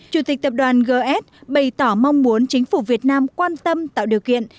chủ tịch tập đoàn gs bày tỏ mong muốn chính phủ việt nam quan tâm tạo điều kiện